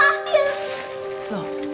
hah jualan kue di sekolah